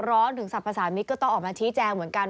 ร้อนถึงสรรพสามิตรก็ต้องออกมาชี้แจงเหมือนกัน